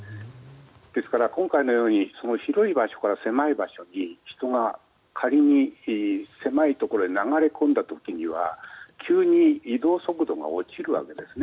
ですから、今回のように広い場所から狭い場所に人が仮に狭いところへ流れ込んだ時には急に移動速度が落ちるわけです。